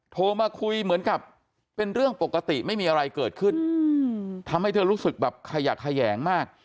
โทรมาคุยเหมือนกับเป็นเรื่องปกติไม่มีอะไรเกิดขึ้นทำให้เธอรู้สึกแบบขยะแขยงมาก